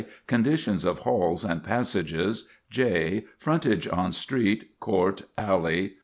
_ Conditions of halls and passages. j. Frontage on street, court, alley N.